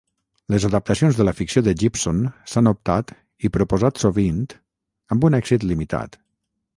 Les adaptacions de la ficció de Gibson s'han optat i proposat sovint, amb un èxit limitat.